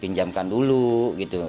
kita diamkan dulu gitu